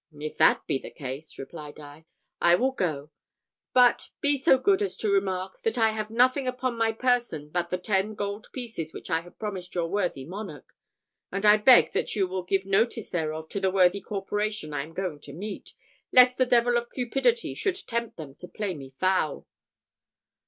"If that be the case," replied I, "I will go; but be so good as to remark, that I have nothing upon my person but the ten gold pieces which I have promised your worthy monarch; and I beg that you will give notice thereof to the worthy corporation I am going to meet, lest the devil of cupidity should tempt them to play me foul."